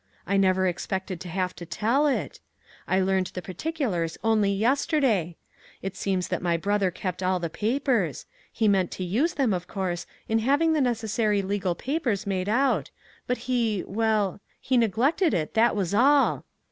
I never expected to have to tell it. I learned the particulars only yesterday. It seems that my brother kept all the papers. He meant to use them, of course, in having the necessary legal papers made out, but he well, he neglected it that was all.